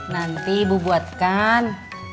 nanti ibu buatkan